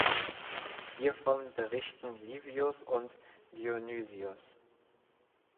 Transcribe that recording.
Hiervon berichten Livius und Dionysios.